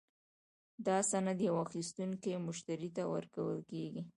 دا سند یو اخیستونکي مشتري ته ورکول کیږي.